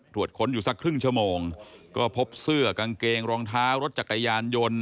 ค้นอยู่สักครึ่งชั่วโมงก็พบเสื้อกางเกงรองเท้ารถจักรยานยนต์